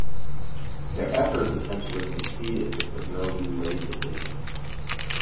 Their efforts essentially succeeded with the "Roe v Wade" decision.